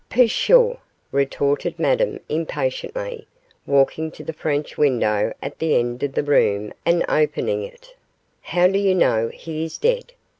'Pshaw!' retorted Madame, impatiently, walking to the French window at the end of the room and opening it; 'how do you know he is dead?